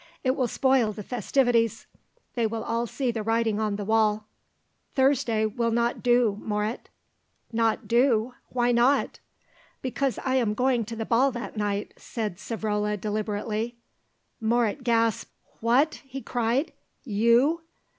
It will spoil the festivities; they will all see the writing on the wall." "Thursday will not do, Moret." "Not do! Why not?" "Because I am going to the ball that night," said Savrola deliberately. Moret gasped. "What," he cried, "you!"